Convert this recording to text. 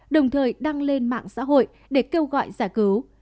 đồng thời đăng lên mạng xã hội để kêu gọi giải cứu